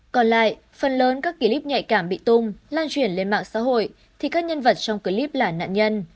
còn lại phần lớn các clip nhạy cảm bị tung lan chuyển lên mạng xã hội thì các nhân vật trong clip là nạn nhân